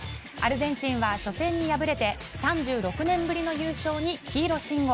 アルゼンチンは初戦に敗れて３６年ぶりの優勝に黄色信号。